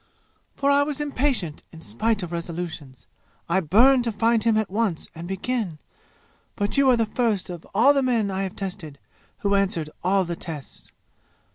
For I was impatient in spite of resolutions. I burned to find him at once, and begin! But you are the first of all the men I have tested who answered all the tests!